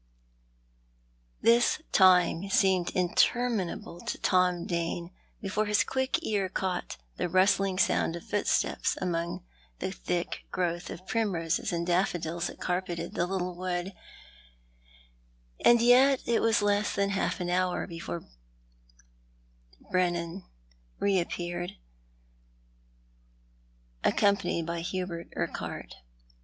112 TJlou art the Man. This time seemed interminable to Tom Dane before his quick ear caught the rustling sound of footsteps among the thick growth of primroses and daffodils that carpeted the little wood ; and yet it was less than half an hour before Brennam re appeared, accompanied by Hubert Urquhart.